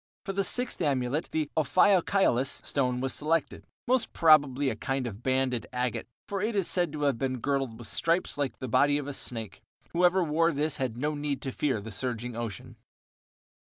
For the sixth amulet the ophiokiolus stone was selected, most probably a kind of banded agate, for it is said to have been girdled with stripes like the body of a snake; whoever wore this had no need to fear the surging ocean.